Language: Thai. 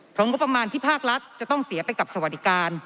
เพราะงบประมาณที่ภาครัฐจะต้องเสียไปกับสวัสดิการ